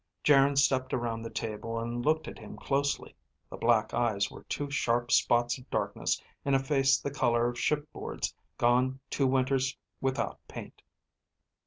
Geryn stepped around the table and looked at him closely. The black eyes were two sharp spots of darkness in a face the color of shipboards gone two winters without paint.